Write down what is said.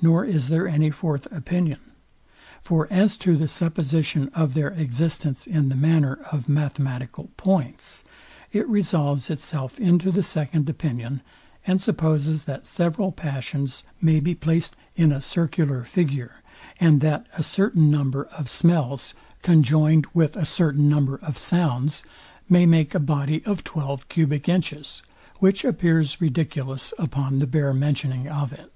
Nor is there any fourth opinion. For as to the supposition of their existence in the manner of mathematical points, it resolves itself into the second opinion, and supposes, that several passions may be placed in a circular figure, and that a certain number of smells, conjoined with a certain number of sounds, may make a body of twelve cubic inches; which appears ridiculous upon the bare mentioning of it.